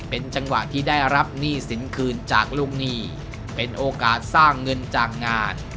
เป็นจังหวะที่ได้รับหนี้สินคืนจากลูกหนี้เป็นโอกาสสร้างเงินจากงาน